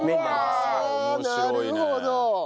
うわあなるほど。